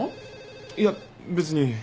いや別に。